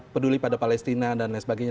peduli pada palestina dan lain sebagainya